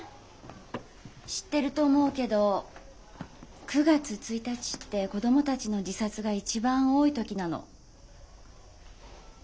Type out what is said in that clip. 知ってると思うけど９月１日って子供たちの自殺が一番多い時なの。